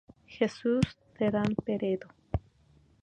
Jesús Terán Peredo.